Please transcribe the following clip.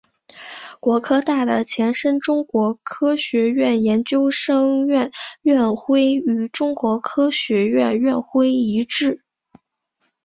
国科大的前身中国科学院研究生院院徽与中国科学院院徽一致。